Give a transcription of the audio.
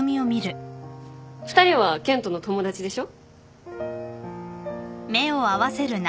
２人は健人の友達でしょ？